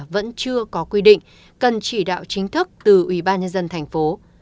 vẫn chưa có quy định cần chỉ đạo chính thức từ ủy ban nhân dân thành phố